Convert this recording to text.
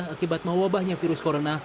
akibat mawabahnya virus corona